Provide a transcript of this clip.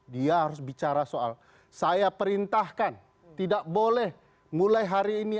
dia harus bicara soal saya perintahkan tidak boleh mulai hari ini